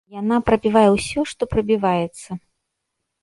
Яна прабівае ўсё, што прабіваецца.